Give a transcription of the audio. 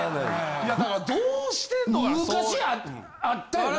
いやだからどうしてんのかな。